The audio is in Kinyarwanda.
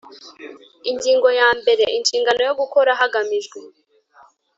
Ingingo ya mbere Inshingano yo gukora hagamijwe